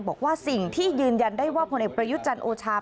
บอกว่าสิ่งที่ยืนยันได้ว่าผลเอกประยุทธ์จันทร์โอชา